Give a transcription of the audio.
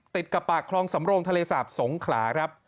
ติดกับปากคลองสำโรงทะเลสาบสงขลาครับ